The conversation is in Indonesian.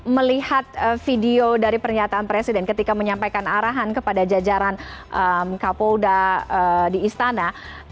melihat video dari pernyataan presiden ketika menyampaikan arahan kepada jajaran kapolda di istana